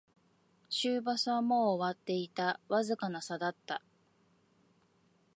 終バスはもう終わっていた、わずかな差だった